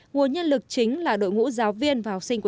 nguồn nhân lực chính là đội ngũ giáo viên và học sinh